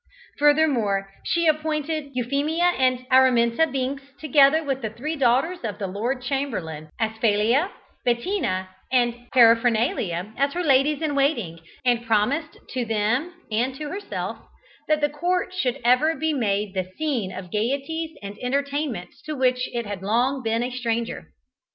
Furthermore, she appointed Euphemia and Araminta Binks, together with the three daughters of the lord chamberlain, Asphalia, Bettina, and Paraphernalia, as her ladies in waiting, and promised to them and to herself that the court should ever be made the scene of gaieties and entertainments to which it had long been a stranger.